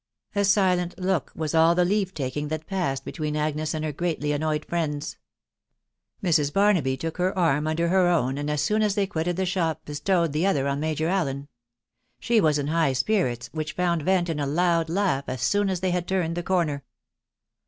A silent look was all the leavs taking that passed between Agnes and her greatly annoyed friends. Mrs. Barnaby took her arm under her own, and as soon as they quitted the shop bestowed the other on Major Allen ; she was in high spirits, which found vent in a loud laugh as soon as they had turned the corner.